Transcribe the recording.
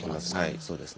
はいそうですね。